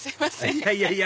いやいやいや